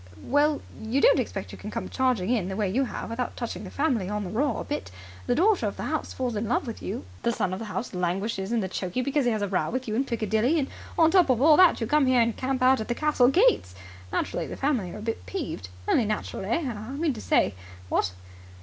Well, you don't expect you can come charging in the way you have without touching the family on the raw a bit. The daughter of the house falls in love with you; the son of the house languishes in chokey because he has a row with you in Piccadilly; and on top of all that you come here and camp out at the castle gates! Naturally the family are a bit peeved. Only natural, eh? I mean to say, what?"